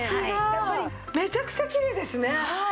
やっぱりめちゃくちゃきれいですね。